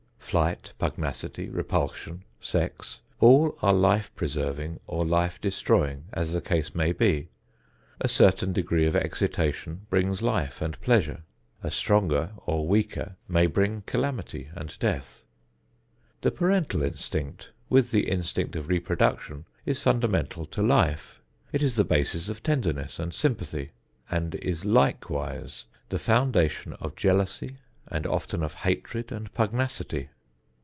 Flight, pugnacity, repulsion, sex all are life preserving or life destroying, as the case may be. A certain degree of excitation brings life and pleasure. A stronger or weaker may bring calamity and death. The parental instinct, with the instinct of reproduction, is fundamental to life. It is the basis of tenderness and sympathy, and is likewise the foundation of jealousy and often of hatred and pugnacity.